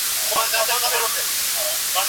د غره په سر باندې سپینه واوره لیدل کېږي.